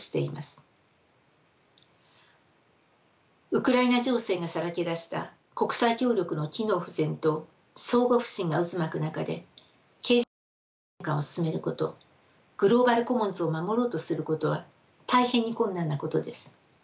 ウクライナ情勢がさらけ出した国際協力の機能不全と相互不信が渦巻く中で経済システム転換を進めることグローバル・コモンズを守ろうとすることは大変に困難なことです。